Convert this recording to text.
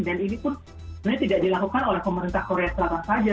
dan ini pun sebenarnya tidak dilakukan oleh pemerintah korea selatan saja